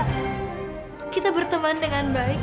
kita tuh bisa kita berteman dengan baik